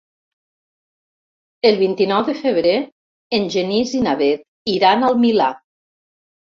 El vint-i-nou de febrer en Genís i na Bet iran al Milà.